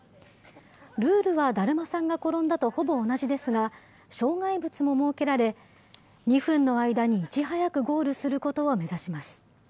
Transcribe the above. ルールはだるまさんがころんだとほぼ同じですが、障害物も設けられ、２分の間にいち早くゴールすることを目指します。